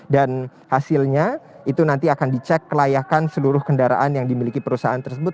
dan hasilnya itu nanti akan dicek kelayakan seluruh kendaraan yang dimiliki perusahaan tersebut